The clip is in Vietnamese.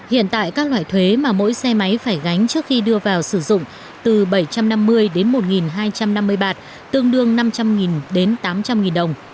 hiện tại các loại thuế mà mỗi xe máy phải gánh trước khi đưa vào sử dụng từ bảy trăm năm mươi đến một hai trăm năm mươi bạt tương đương năm trăm linh đến tám trăm linh đồng